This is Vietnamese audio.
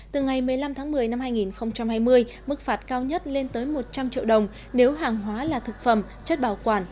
từ ngày một mươi năm tháng một mươi năm hai nghìn hai mươi mức phạt cao nhất lên tới một trăm linh triệu đồng nếu hàng hóa là thực phẩm chất bảo quản